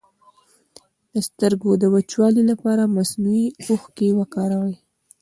د سترګو د وچوالي لپاره مصنوعي اوښکې وکاروئ